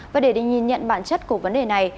và để nhìn nhận bản chất của vấn đề này